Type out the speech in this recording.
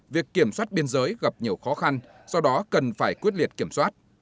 việc kiểm soát biên giới gặp nhiều khó khăn do đó cần phải quyết liệt kiểm soát